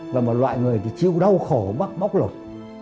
và một loại người thì chịu đau khổ bác bóc lục